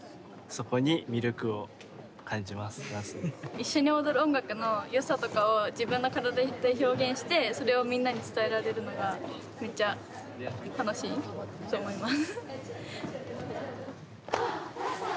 一緒に踊る音楽のよさとかを自分の体で表現してそれをみんなに伝えられるのがめっちゃ楽しいと思います。